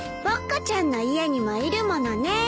ぼっこちゃんの家にもいるものね。